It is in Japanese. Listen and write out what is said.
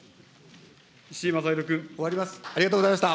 終わります。